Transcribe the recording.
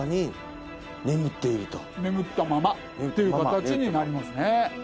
つまり。という形になりますね。